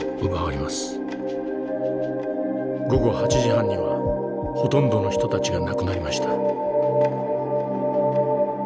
午後８時半にはほとんどの人たちが亡くなりました。